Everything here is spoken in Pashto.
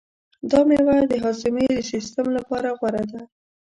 دا مېوه د هاضمې د سیستم لپاره غوره ده.